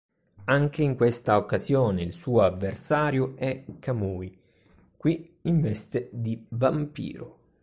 Anche in questa occasione il suo avversario è Kamui, qui in veste di vampiro.